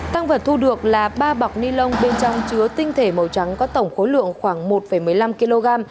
tăng vật thu được là ba bọc ni lông bên trong chứa tinh thể màu trắng có tổng khối lượng khoảng một một mươi năm kg